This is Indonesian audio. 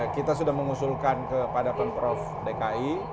kita sudah mengusulkan kepada pemprov dki